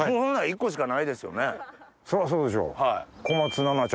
そりゃそうでしょ。